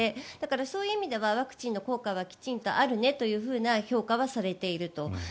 そういう意味ではワクチンの効果はきちんとあるねというふうに評価はされていると。